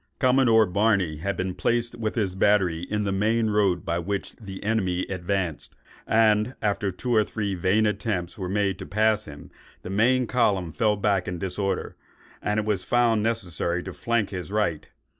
Commodore Barney had been placed with his battery in the main road by which the enemy advanced; and after two or three vain attempts were made to pass him, the main column fell back in disorder, and it was found necessary to flank his right.